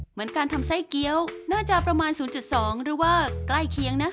เหมือนการทำไส้เกี้ยวน่าจะประมาณ๐๒หรือว่าใกล้เคียงนะ